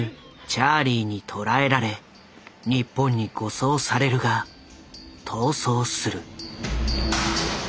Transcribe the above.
チャーリーに捕らえられ日本に護送されるが逃走する。